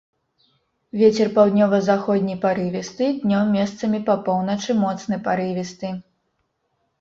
Вецер паўднёва-заходні парывісты, днём месцамі па поўначы моцны парывісты.